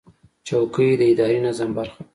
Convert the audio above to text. چوکۍ د اداري نظم برخه ده.